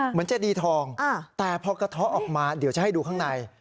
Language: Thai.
เจดีทองแต่พอกระเทาะออกมาเดี๋ยวจะให้ดูข้างใน